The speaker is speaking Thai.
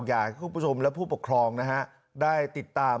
อยากให้คุณผู้ชมและผู้ปกครองนะฮะได้ติดตาม